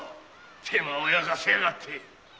手間を焼かせやがって！